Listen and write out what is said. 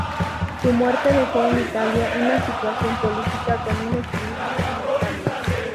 Su muerte dejó en Italia una situación política con un equilibrio inestable.